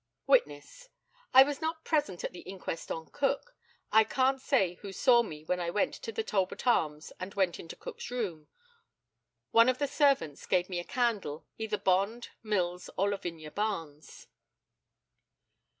Witness: I was not present at the inquest on Cook. I can't say who saw me when I went to the Talbot Arms and went into Cook's room. One of the servants gave me a candle either Bond, Mills, or Lavinia Barnes.